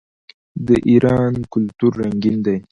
د ایران کلتور رنګین دی.